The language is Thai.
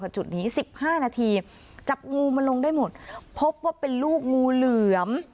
จุดนี้๑๕นาทีจับงูมาลงได้หมดพบว่าเป็นลูกงูเหลือม